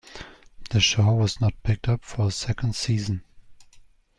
The show was not picked up for a second season.